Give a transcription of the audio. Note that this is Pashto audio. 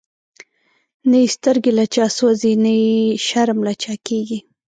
نه یی سترګی له چا سوځی، نه یی شرم له چا کیږی